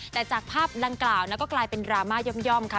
แต่จากภาพดังกล่าวก็กลายเป็นดราม่าย่อมค่ะ